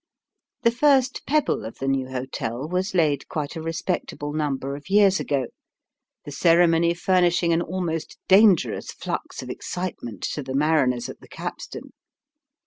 The first pebble of the new hotel was laid quite a respectable number of years ago, the ceremony furnishing an almost dangerous flux of excitement to the mariners at the capstan.